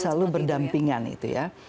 selalu berdampingan itu ya